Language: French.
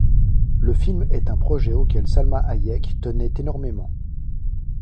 Le film est un projet auquel Salma Hayek tenait énormément.